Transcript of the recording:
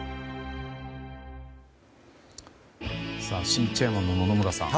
新チェアマンの野々村さん。